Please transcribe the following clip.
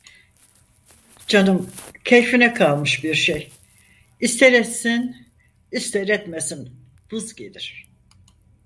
Canım, keyfine kalmış bir şey, ister etsin ister etmesin, vız gelir.